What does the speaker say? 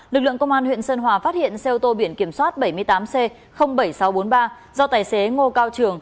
lực lượng công an huyện sơn hòa phát hiện xe ô tô biển kiểm soát bảy mươi tám c bảy nghìn sáu trăm bốn mươi ba do tài xế ngô cao trường